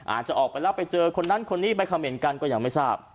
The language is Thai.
อาจจะออกไปแล้วไปเจอคนนั้นคนนี้ไปคำเห็นกันก็ยังไม่ทราบ